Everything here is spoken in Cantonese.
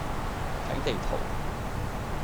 睇地圖